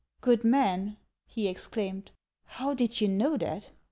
Good man, he exclaimed, " how did you know that